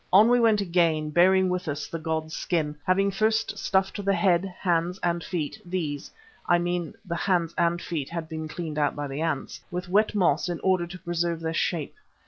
On we went again bearing with us the god's skin, having first stuffed the head, hands and feet (these, I mean the hands and feet, had been cleaned out by the ants) with wet moss in order to preserve their shape.